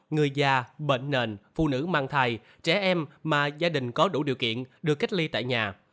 người già bệnh nền phụ nữ mang thai trẻ em mà gia đình có đủ điều kiện được cách ly tại nhà